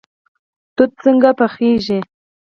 توت څنګه پخیږي؟